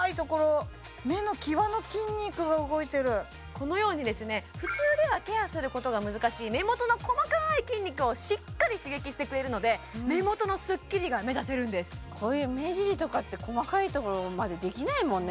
このようにですね普通ではケアすることが難しい目元の細かい筋肉をしっかり刺激してくれるので目元のスッキリが目指せるんですこういう目尻とかって細かいところまでできないもんね